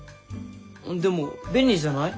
でも便利じゃない？